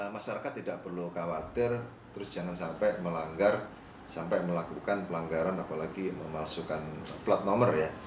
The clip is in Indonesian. masyarakat tidak perlu khawatir terus jangan sampai melanggar sampai melakukan pelanggaran apalagi memalsukan plat nomor ya